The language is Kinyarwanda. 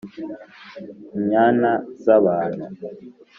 inyana z abantu